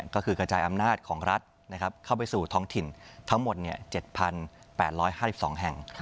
ก็คือกระจายอำนาจของรัฐเข้าไปสู่ท้องถิ่นทั้งหมด๗๘๕๒แห่ง